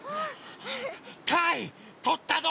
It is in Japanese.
かいとったぞ！